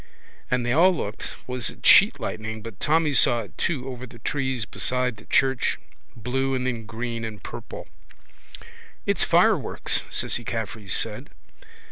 And they all looked was it sheet lightning but Tommy saw it too over the trees beside the church, blue and then green and purple. —It's fireworks, Cissy Caffrey said.